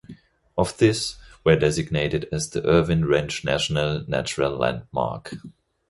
Of this, were designated as the Irvine Ranch National Natural Landmark.